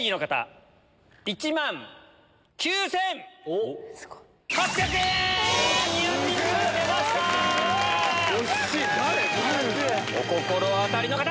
お心当たりの方！